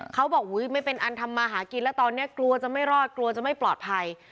เขาบอกอุ๊ยไม่เป็นอันทำมาหากินแล้วตอนนี้กลัวจะไม่รอดกลัวจะไม่ปลอดภัย